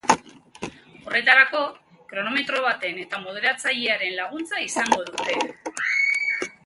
Horretarako, kronometro baten eta moderatzailearen laguntza izango dute.